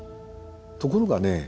ところがね